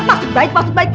masuk baik masuk baik